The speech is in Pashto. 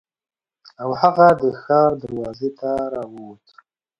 او هغه د ښار دروازې ته راووت.